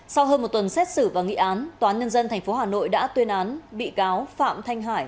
sau hơn một tuần xét xử và nghị án tnthh đã tuyên án bị cáo phạm thanh hải